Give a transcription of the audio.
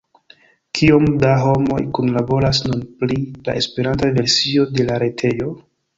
Kiom da homoj kunlaboras nun pri la Esperanta versio de la retejo?